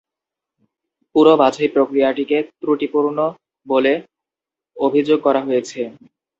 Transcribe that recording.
পুরো বাছাই প্রক্রিয়াটিকে "ত্রুটিপূর্ণ" বলে অভিযোগ করা হয়েছে।